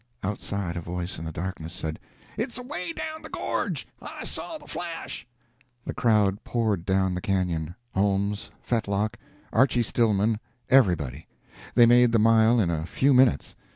Outside, a voice in the darkness said, "It's away down the gorge; I saw the flash." The crowd poured down the canyon Holmes, Fetlock, Archy Stillman, everybody. They made the mile in a few minutes.